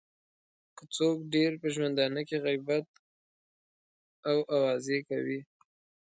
که څوک ډېر په ژوندانه کې غیبت او اوازې کوي.